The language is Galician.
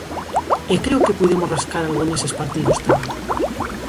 E creo que puidemos rascar algo neses partidos tamén.